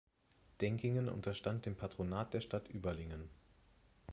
Denkingen unterstand dem Patronat der Stadt Überlingen.